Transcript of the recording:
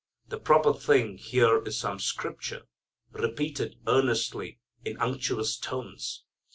The proper thing here is some scripture, repeated earnestly in unctuous tones.